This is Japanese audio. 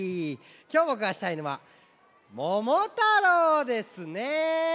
きょうぼくがしたいのは「ももたろう」ですね。